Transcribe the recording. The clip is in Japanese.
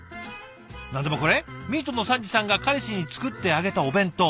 何でもこれミートの３時さんが彼氏に作ってあげたお弁当。